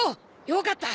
よかった！